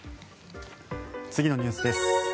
次のニュースです。